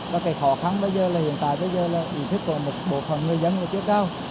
và cái khó khăn bây giờ là hiện tại bây giờ là ý thức của một bộ phận người dân là chưa cao